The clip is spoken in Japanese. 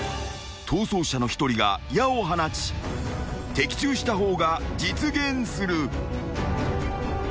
［逃走者の一人が矢を放ち的中した方が実現する］